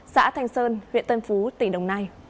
xã thái lan